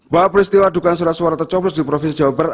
bahwa peristiwa dugaan surat suara tercoblos di provinsi jawa barat